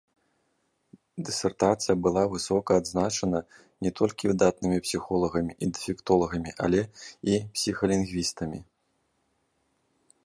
Дысертацыя была высока адзначана не толькі выдатнымі псіхолагамі і дэфектолагамі, але і псіхалінгвістамі.